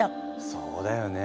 そうだよね。